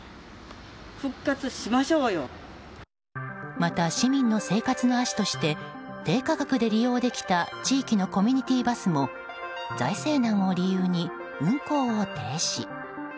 また、市民の生活の足として低価格で利用できた地域のコミュニティーバスも財政難を理由に運行を停止。